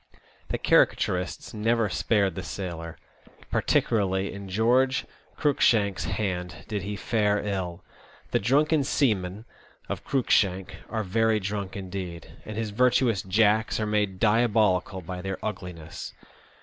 The caricaturists never spared the sailor; particularly in George Cruikshank's hand did he fare ill. The drunken seamen of Cruikshank are very drunk indeed, and his virtuous Jacks are made diabolical by their ugliness.